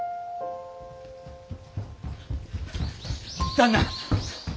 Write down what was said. ・旦那。